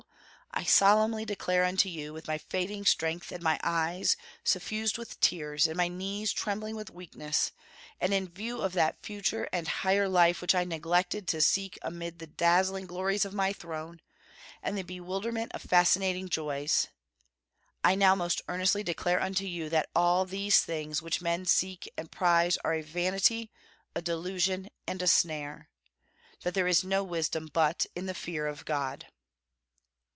I solemnly declare unto you, with my fading strength and my eyes suffused with tears and my knees trembling with weakness, and in view of that future and higher life which I neglected to seek amid the dazzling glories of my throne, and the bewilderment of fascinating joys, I now most earnestly declare unto you that all these things which men seek and prize are a vanity, a delusion, and a snare; that there is no wisdom but in the fear of God."